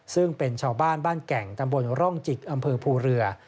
ซึ่งเป็นชาวบ้านบ้านแก่งตำบลร่องจิกอำเภอภูเรือ